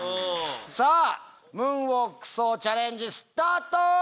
さぁムーンウォーク走チャレンジスタート！